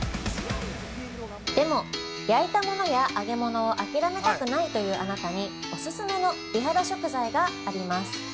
でも、焼いたものや揚げものを諦めたくないというあなたにオススメの美肌食材があります。